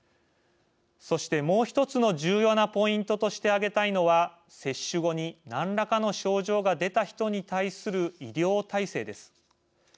そしてもう１つの重要なポイントとして挙げたいのは、接種後に何らかの症状が出た人に対する医療体制です。